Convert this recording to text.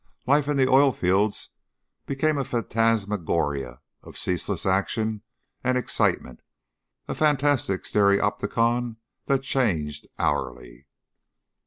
Life in the oil fields became a phantasmagoria of ceaseless action and excitement a fantastic stereopticon that changed hourly.